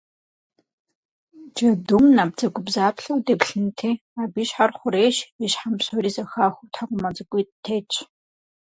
Джэдум набдзэгубдзаплъэу деплъынти, абы и щхьэр хъурейщ, и щхьэм псори зэхахыу тхьэкӏумэ цӏыкӏуитӏ тетщ.